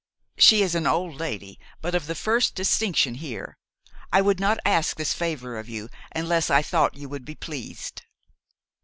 She is an old lady, but of the first distinction here. I would not ask this favour of you unless I thought you would be pleased.